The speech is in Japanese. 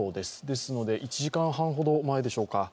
ですので１時間半ほど前でしょうか。